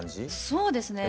そうですね。